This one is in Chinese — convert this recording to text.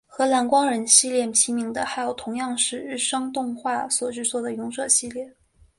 和蓝光人系列齐名的还有同样是日升动画所制作的勇者系列。